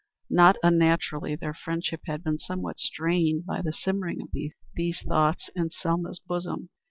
Not unnaturally their friendship had been somewhat strained by the simmering of these thoughts in Selma's bosom.